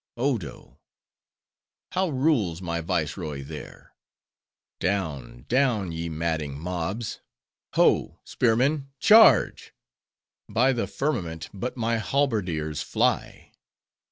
Odo! How rules my viceroy there?—Down, down, ye madding mobs! Ho, spearmen, charge! By the firmament, but my halberdiers fly!"